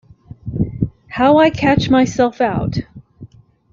How I catch myself out!